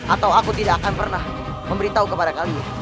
atau aku tidak akan pernah memberitahu kepada kami